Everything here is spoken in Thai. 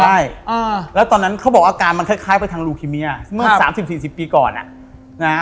ใช่แล้วตอนนั้นเขาบอกอาการมันคล้ายไปทางลูคิเมียเมื่อ๓๐๔๐ปีก่อนอ่ะนะฮะ